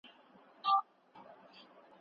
دولت د سوداګرۍ لپاره اسانتیاوي برابروي.